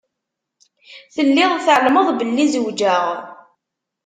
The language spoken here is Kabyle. Telliḍ tεelmeḍ belli zewǧeɣ.